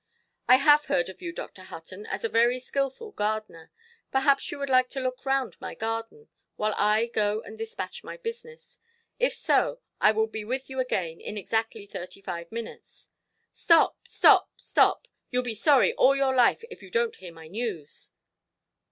"I have heard of you, Dr. Hutton, as a very skilful gardener. Perhaps you would like to look round my garden, while I go and despatch my business. If so, I will be with you again in exactly thirty–five minutes". "Stop, stop, stop! youʼll be sorry all your life, if you donʼt hear my news".